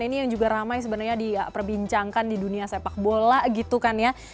ini yang juga ramai sebenarnya diperbincangkan di dunia sepak bola gitu kan ya